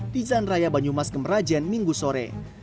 di zanraya banyumas kemerajian minggu sore